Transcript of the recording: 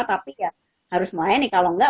tapi ya harus melayani kalau nggak